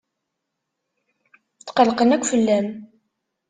Tqellqen akk fell-am.